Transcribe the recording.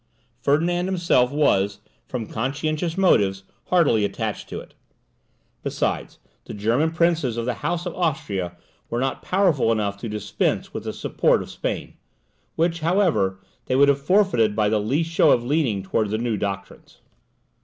Ferdinand himself was, from conscientious motives, heartily attached to it. Besides, the German princes of the House of Austria were not powerful enough to dispense with the support of Spain, which, however, they would have forfeited by the least show of leaning towards the new doctrines.